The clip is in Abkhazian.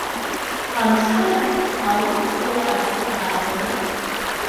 Амшын ахьтә алыхәҭала аӡы ааганы?!